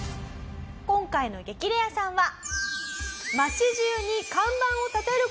今回の激レアさんは。